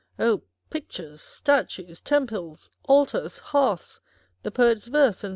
Oh ! pictures, statues, temples, altars, hearths, the poet's verse, and